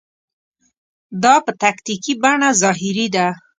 دا په تکتیکي بڼه ظاهري ده.